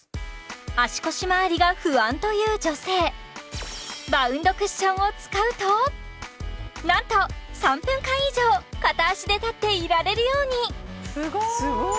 足腰周りが不安という女性バウンドクッションを使うとなんと３分間以上片足で立っていられるようにすごい！